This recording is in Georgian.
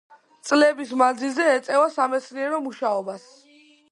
წლების მანძილზე ეწევა სამეცნიერო მუშაობას.